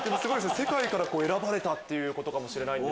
世界から選ばれたってことかもしれない。